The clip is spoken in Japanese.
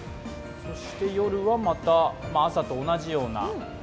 夜はまた、朝と同じような？